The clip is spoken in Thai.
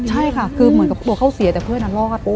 ใช่ค่ะคือเหมือนกับกลัวเขาเสียแต่เพื่อนรอด